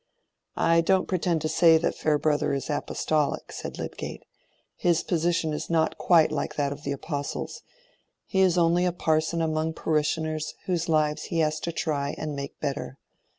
"I don't pretend to say that Farebrother is apostolic," said Lydgate. "His position is not quite like that of the Apostles: he is only a parson among parishioners whose lives he has to try and make better.